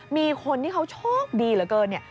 มีคนที่เขาโชคดีเหลือเกิน